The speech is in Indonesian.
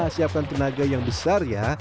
siapkan tenaga yang besar ya